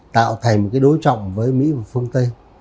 tạo thành một cái đối trọng với mỹ và phương tây